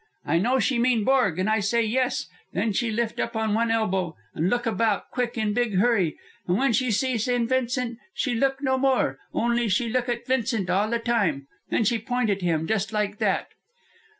I know she mean Borg, and I say yes. Then she lift up on one elbow, and look about quick, in big hurry, and when she see Vincent she look no more, only she look at Vincent all the time. Then she point at him, just like that."